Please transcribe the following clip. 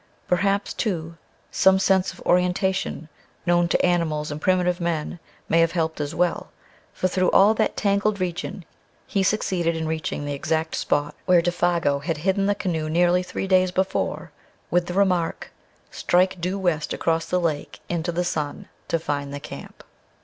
Perhaps, too, some sense of orientation, known to animals and primitive men, may have helped as well, for through all that tangled region he succeeded in reaching the exact spot where Défago had hidden the canoe nearly three days before with the remark, "Strike doo west across the lake into the sun to find the camp."